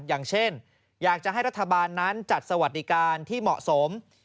อย่างเช่นอยากจะให้รัฐบาลนั้นจัดสวัสดิการที่เหมาะสม